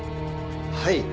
はい。